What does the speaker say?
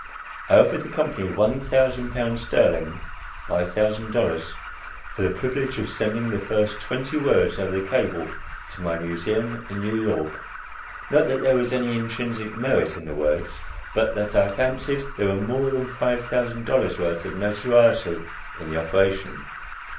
I offered the company one thousand pounds sterling ($5,000) for the privilege of sending the first twenty words over the cable to my Museum in New York not that there was any intrinsic merit in the words, but that I fancied there was more than $5,000 worth of notoriety in the operation.